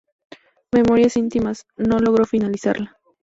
Memorias íntimas" no logró finalizarla.